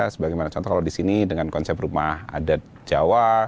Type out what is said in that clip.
sebagaimana contoh kalau di sini dengan konsep rumah adat jawa